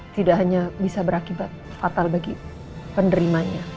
tidak hanya bisa berakibat fatal bagi penerimanya